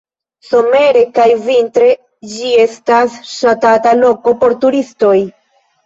Somere kaj vintre ĝi estas ŝatata loko por turistoj.